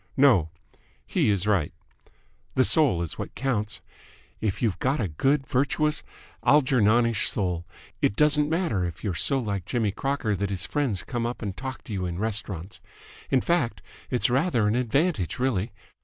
no, 'he' is right. The soul is what counts. If you've got a good, virtuous, Algernonish soul, it doesn't matter if you're so like Jimmy Crocker that his friends come up and talk to you in restaurants. In fact, it's rather an advantage, really.